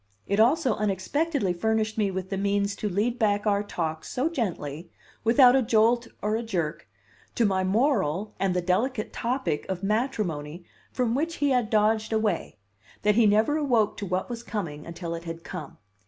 It also unexpectedly furnished me with the means to lead back our talk so gently, without a jolt or a jerk, to my moral and the delicate topic of matrimony from which he had dodged away, that he never awoke to what was coming until it had come.